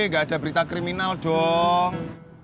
nggak ada berita kriminal dong